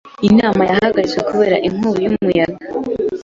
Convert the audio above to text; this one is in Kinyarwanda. Inama yahagaritswe kubera inkubi y'umuyaga.